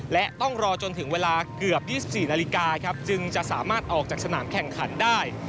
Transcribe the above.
และต้องรอจนถึงเวลาเกือบ๒๔นาฬิกาครับจึงจะสามารถออกจากสนามแข่งขันได้